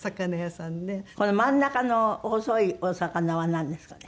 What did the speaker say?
この真ん中の細いお魚はなんですかね？